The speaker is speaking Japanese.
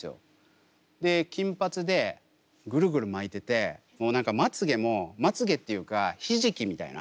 で金髪でぐるぐる巻いててもう何かまつげもまつげっていうかひじきみたいな。